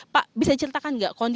pak bisa diceritakan nggak